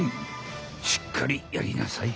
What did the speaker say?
しっかりやりなさい。